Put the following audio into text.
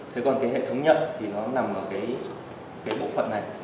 thế còn cái hệ thống nhận thì nó nằm ở cái bộ phận này